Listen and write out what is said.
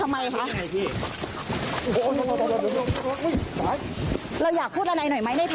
ไม่เคยเก็บแล้ว